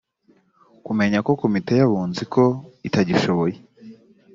kumenya komite y‘abunzi ko utagishoboye